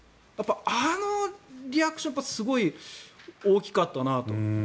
あのリアクションはすごい大きかったなと。